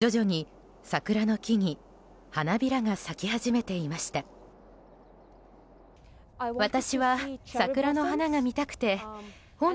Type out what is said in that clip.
一輪ずつ徐々に桜の木に花びらが咲き始めていました。